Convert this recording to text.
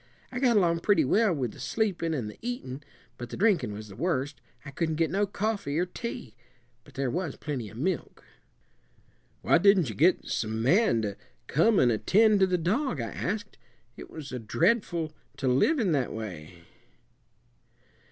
I got along pretty well with the sleepin' and the eatin', but the drinkin' was the worst. I couldn' get no coffee or tea; but there was plenty of milk." "Why didn't you get some man to come and attend to the dog?" I asked. "It was dreadful to live in that way."